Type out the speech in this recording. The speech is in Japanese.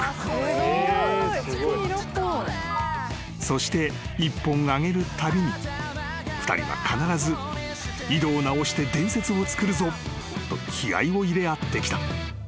［そして一本上げるたびに２人は必ず井戸を直して伝説をつくるぞと気合を入れ合ってきた］